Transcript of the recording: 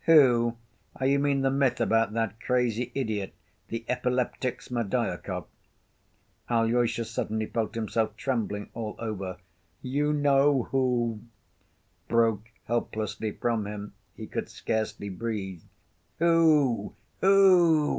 "Who? You mean the myth about that crazy idiot, the epileptic, Smerdyakov?" Alyosha suddenly felt himself trembling all over. "You know who," broke helplessly from him. He could scarcely breathe. "Who? Who?"